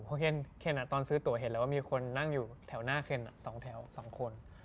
เพราะเคนตอนซื้อตัวเห็นแล้วว่ามีคนนั่งอยู่แถวหน้าเคน๒แถว๒คน